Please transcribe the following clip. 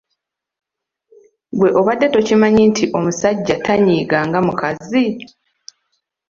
Gwe obadde tokimanyi nti omusajja tanyiiga nga mukazi?